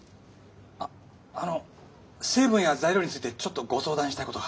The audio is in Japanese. あっあの成分や材料についてちょっとご相談したいことが。